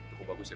cukup bagus ya